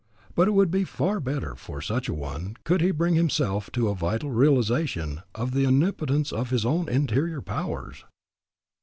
But it would be far better for such a one could he bring himself to a vital realization of the omnipotence of his own interior powers.